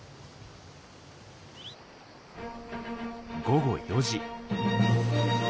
午後４時。